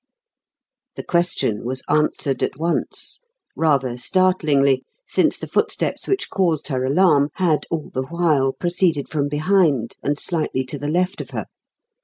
The question was answered at once rather startlingly, since the footsteps which caused her alarm, had all the while proceeded from behind, and slightly to the left of her.